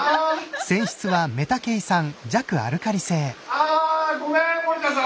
あごめん森田さん